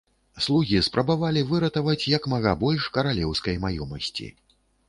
Слугі спрабавалі выратаваць як мага больш каралеўскай маёмасці.